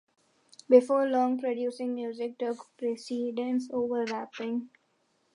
Before long, producing music took precedence over rapping.